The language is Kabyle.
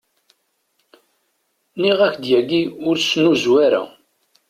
Nniɣ-ak-d yagi ur ssnuzu ara.